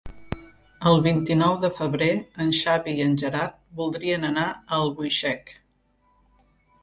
El vint-i-nou de febrer en Xavi i en Gerard voldrien anar a Albuixec.